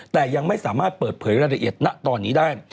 แต่ยังไม่สามารถเปิดเผยรายละเอียดณตอนนี้ได้